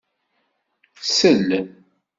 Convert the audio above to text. Sel...